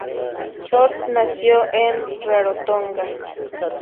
Short nació en Rarotonga.